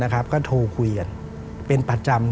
ก็โทรคุยกันเป็นประจำ